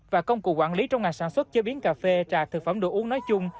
và công cụ quản lý trong ngành sản xuất chế biến cà phê trà thực phẩm đồ uống nói chung